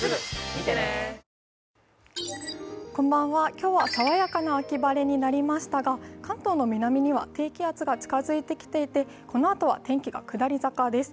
今日は爽やかな秋晴れになりましたが、関東の南には低気圧が近づいてきていて、このあとは天気が下り坂です。